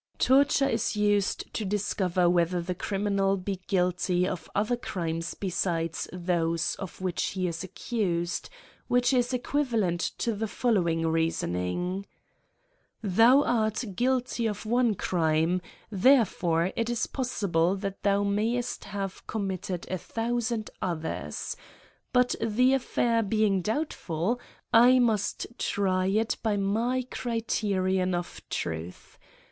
Torture is used to discover whether the criminal be guilty of other crimes besides those of which he is accused, which is equivalent to the following reasoning. Thou art guilty of one crime, therefore it is possible that thou mayest have committed a thousand others ; but the affair being doubtfid, I must try it by my criterion of truth.